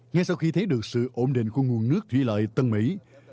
ngay sau khi thấy được sự ổn định của nguồn nước thủy lợi tân mỹ